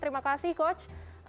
terima kasih coach